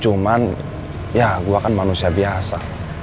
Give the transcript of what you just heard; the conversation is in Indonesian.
cuman ya gue kan manusia biasa